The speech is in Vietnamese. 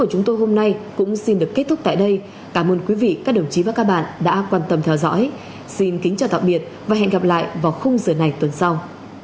công an nhân dân